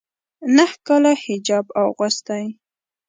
ا نهه کاله حجاب اغوستی